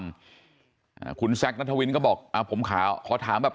อ่าคุณแซคนัทวินก็บอกอ่าผมขอขอถามแบบ